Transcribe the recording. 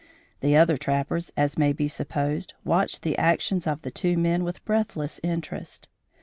The other trappers as may be supposed, watched the actions of the two men with breathless interest.